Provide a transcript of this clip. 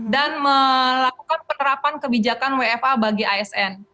dan melakukan penerapan kebijakan wfh bagi asn